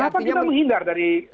kenapa kita menghindar dari